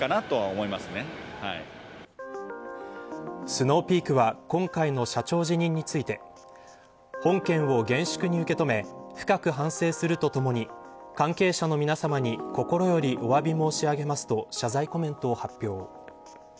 スノーピークは今回の社長辞任について本件を厳粛に受け止め深く反省するとともに関係者の皆さまに心よりお詫び申し上げますと謝罪コメントを発表。